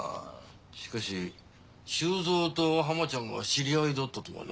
しかし修三とハマちゃんが知り合いだったとはな。